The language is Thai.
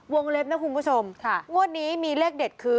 เล็บนะคุณผู้ชมงวดนี้มีเลขเด็ดคือ